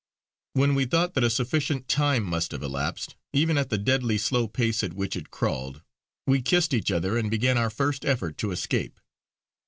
When we thought that a sufficient time must have elapsed, even at the deadly slow pace at which it crawled, we kissed each other and began our first effort to escape.